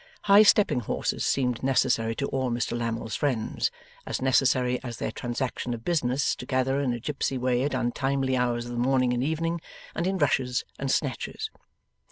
High stepping horses seemed necessary to all Mr Lammle's friends as necessary as their transaction of business together in a gipsy way at untimely hours of the morning and evening, and in rushes and snatches.